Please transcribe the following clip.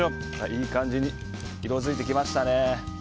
いい感じに色づいてきましたね。